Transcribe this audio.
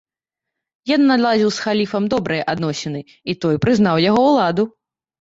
Ён наладзіў з халіфам добрыя адносіны, і той прызнаў яго ўладу.